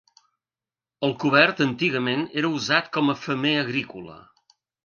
El cobert antigament era usat com a femer agrícola.